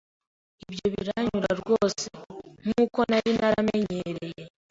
ibyo biranyura rwose. Nk’uko nari naramenyereye,